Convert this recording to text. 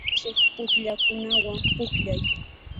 Kay musuq pukllanakunawan pukllay.